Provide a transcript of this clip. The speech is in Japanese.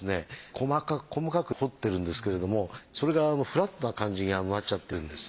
細かく細かく彫ってるんですけれどもそれがフラットな感じになっちゃってるんです。